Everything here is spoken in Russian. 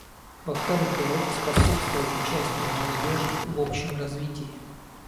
Во-вторых, давайте способствовать участию молодежи в общем развитии.